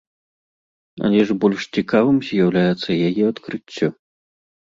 Але ж больш цікавым з'яўляецца яе адкрыццё.